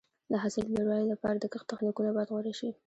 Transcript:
د حاصل د لوړوالي لپاره د کښت تخنیکونه باید غوره شي.